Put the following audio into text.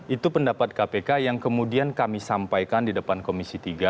itu pendapat kpk yang kemudian kami sampaikan di depan komisi tiga